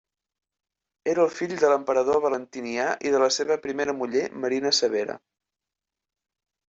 Era fill de l'emperador Valentinià i de la seva primera muller Marina Severa.